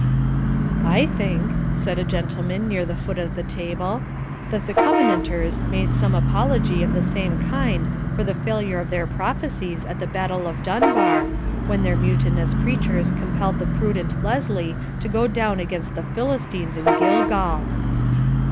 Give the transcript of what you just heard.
'I think,' said a gentleman near the foot of the table,'that the Covenanters made some apology of the same kind for the failure of their prophecies at the battle of Dunbar, when their mutinous preachers compelled the prudent Lesley to go down against the Philistines in Gilgal.'